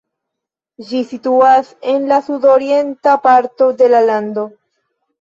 Ĝi situas en la sudorienta parto de la lando.